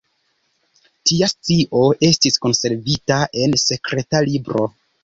Tia scio estis konservita en sekreta libro.